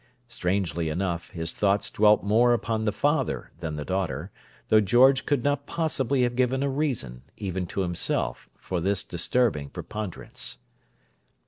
Strangely enough, his thoughts dwelt more upon the father than the daughter, though George could not possibly have given a reason—even to himself—for this disturbing preponderance.